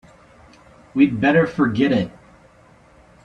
We'd better forget it.